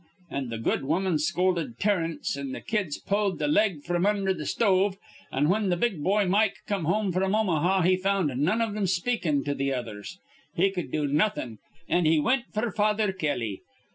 An' th' good woman scolded Terence, an' th' kids pulled th' leg fr'm undher th' stove; an', whin th' big boy Mike come home fr'm Omaha, he found none iv thim speakin' to th' others. He cud do nawthin', an' he wint f'r Father Kelly.